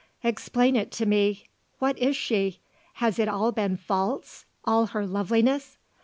"Explain it to me. What is she? Has it all been false all her loveliness?"